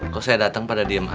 kok saya datang pada diem aja sih